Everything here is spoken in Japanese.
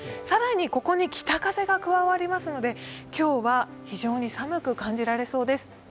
更にここに北風が加わりますので、今日は非常に寒く感じられそうです。